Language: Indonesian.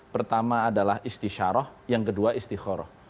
pertama adalah istisyaroh yang kedua istikhuroh